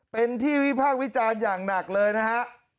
เป็นที่วิพากษ์วิจารณ์อย่างหนักเลยนะฮะ